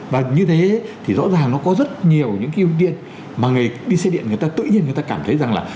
và như thế thì rõ ràng nó có rất nhiều những cái ưu tiên mà người đi xe điện người ta tự nhiên người ta cảm thấy rằng là